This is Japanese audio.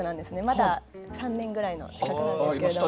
まだ３年ぐらいの資格なんです。